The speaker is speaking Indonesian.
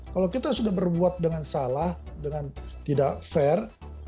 kalau kita sudah berbuat dengan salah dengan tidak fair